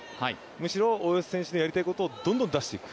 むしろ大吉選手のやりたいことをどんどん出していく。